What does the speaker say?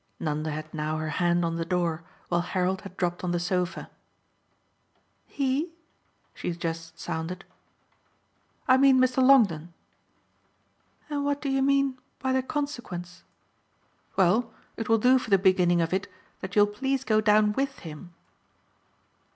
Nanda had now her hand on the door, while Harold had dropped on the sofa. "'He'?" she just sounded. "I mean Mr. Longdon." "And what do you mean by the consequence?" "Well, it will do for the beginning of it that you'll please go down WITH him."